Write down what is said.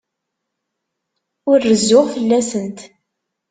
Ur rezzuɣ fell-asent.